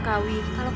kamu belajar sih